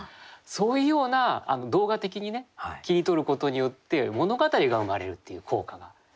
そういうような動画的に切り取ることによって物語が生まれるっていう効果があるんですね。